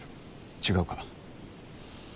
違うか？